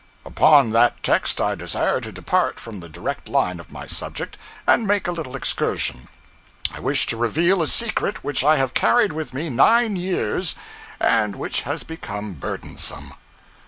Upon that text I desire to depart from the direct line of my subject, and make a little excursion. I wish to reveal a secret which I have carried with me nine years, and which has become burdensome.